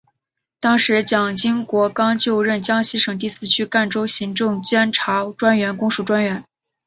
当时蒋经国刚就任江西省第四区赣州行政督察专员公署专员。